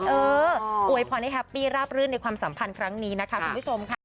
เอออวยพรให้แฮปปี้ราบรื่นในความสัมพันธ์ครั้งนี้นะคะคุณผู้ชมค่ะ